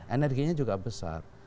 energinya juga besar